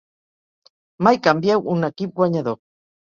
Mai canvieu un equip guanyador.